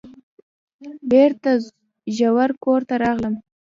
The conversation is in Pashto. بیرته ژر کور ته راغلم.